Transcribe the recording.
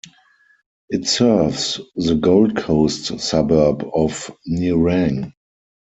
It serves the Gold Coast suburb of Nerang.